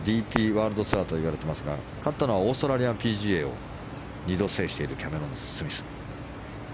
ワールドツアーといわれていますが勝ったのはオーストラリアンＰＧＡを２度制しているキャメロン・スミス。